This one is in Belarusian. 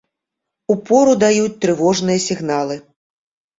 Упору даюць трывожныя сігналы.